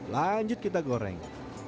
lanjut kita goreng